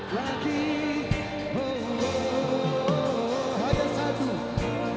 dan seluruh jajaran